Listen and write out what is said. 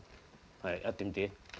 はいやってみて。